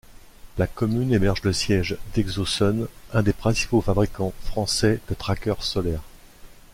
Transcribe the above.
La commune héberge le siège d'Exosun, un des principaux fabricants français de trackers solaires.